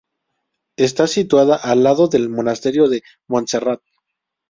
Está situada al lado del Monasterio de Montserrat.